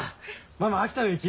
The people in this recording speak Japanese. ママ秋田の雪？